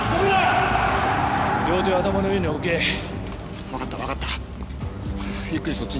はい。